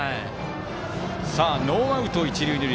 ノーアウト一塁二塁。